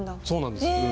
そうなんです。